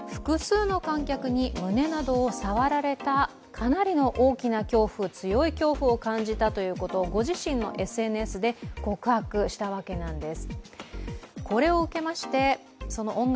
かなりの強い恐怖を感じたということをご自身のＳＮＳで告白したわけなんです。